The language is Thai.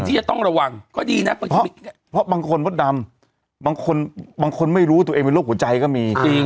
นี่นะ๑๔มีคันถูกแม่งรู้ให้นมบุตร